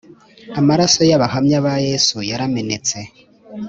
amaraso y abahamya ba Yesu yaramenetse